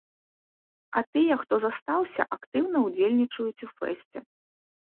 А тыя, хто застаўся, актыўна ўдзельнічаюць у фэсце.